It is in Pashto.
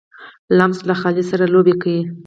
لمسی له خالې سره لوبې کوي.